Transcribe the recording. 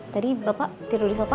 tadi bapak tidur di sapa